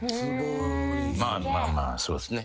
まあまあそうですね。